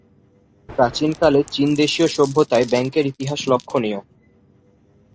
প্রাচীন কালে চীন দেশীয় সভ্যতায় ব্যাংকের ইতিহাস লক্ষণীয়।